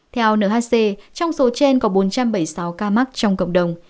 theo nhc trong số trên có bốn trăm bảy mươi sáu ca mắc trong cộng đồng